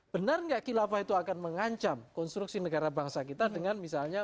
benar nggak khilafah itu akan mengancam konstruksi negara bangsa kita dengan misalnya